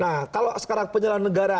nah kalau sekarang penyelenggara